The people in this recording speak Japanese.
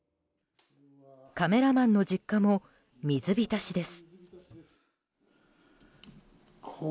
カメラマンの実家も水浸しです。